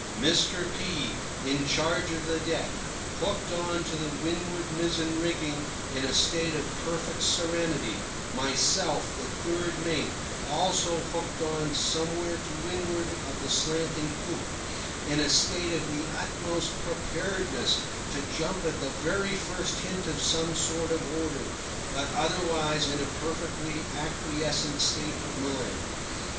Mr. P—, in charge of the deck, hooked on to the windward mizzen rigging in a state of perfect serenity; myself, the third mate, also hooked on somewhere to windward of the slanting poop, in a state of the utmost preparedness to jump at the very first hint of some sort of order, but otherwise in a perfectly acquiescent state of mind.